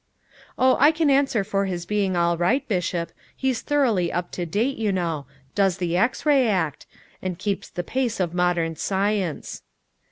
"Oh, I can answer for his being all right, Bishop. He's thoroughly up to date, you know; does the X ray act; and keeps the pace of modern science."